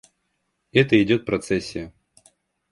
Это идет процессия.